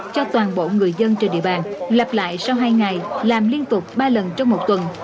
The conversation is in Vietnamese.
cho toàn bộ người dân trên địa bàn lặp lại sau hai ngày làm liên tục ba lần trong một tuần